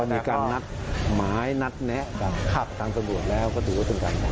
มีการนัดหมายนัดแนะกับทางตำรวจแล้วก็ถือว่าเป็นการงาน